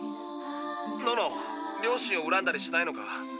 両親をうらんだりしないのか？